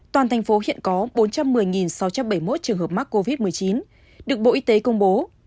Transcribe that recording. toàn thành phố hiện có bốn trăm một mươi sáu trăm bảy mươi một trường hợp mắc covid một mươi chín được bộ y tế công bố